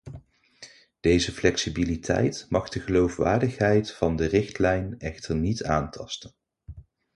Deze flexibiliteit mag de geloofwaardigheid van de richtlijn echter niet aantasten.